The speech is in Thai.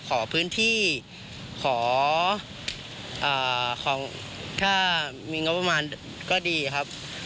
ขอพื้นที่ขอถ้ามีงบประมาณก็ดีครับ